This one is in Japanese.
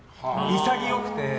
潔くて。